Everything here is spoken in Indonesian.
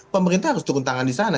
pemerintah harus turun tangan di sana